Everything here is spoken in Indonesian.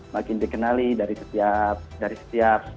makin dikenali dari setiap